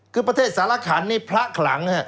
คือประเทศสารขันนี่พระขลัง